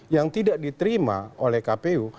yang tidak diterima oleh kpu